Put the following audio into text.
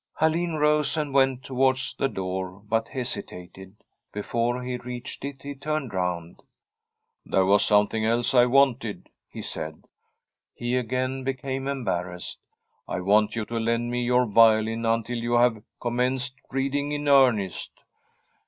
Alin rose and went towards the door, but hesi tated. Before he reached it he turned round. * There was something else I wanted,' he said. He again became embarrassed. * I want you to lend me your violin until you have commenced reading in earnest.'